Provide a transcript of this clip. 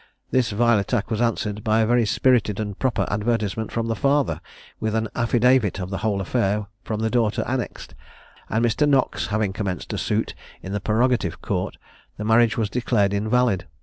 This vile attack was answered by a very spirited and proper advertisement from the father, with an affidavit of the whole affair from the daughter annexed; and Mr. Knox having commenced a suit in the Prerogative Court, the marriage was declared invalid.